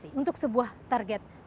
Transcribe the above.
yang ketiga sebagai perusahaan